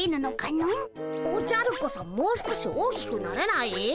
おじゃるこそもう少し大きくなれない？